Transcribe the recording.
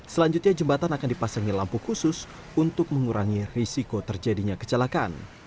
selanjutnya jembatan akan dipasangi lampu khusus untuk mengurangi risiko terjadinya kecelakaan